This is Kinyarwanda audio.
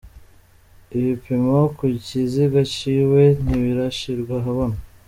Ibipimo ku kiziga ciwe ntibirashirwa ahabona.